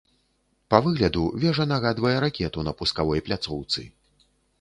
Па выгляду вежа нагадвае ракету на пускавой пляцоўцы.